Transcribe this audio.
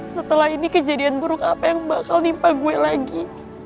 setelah ini kejadian buruk apa yang bakal nimpa gue lagi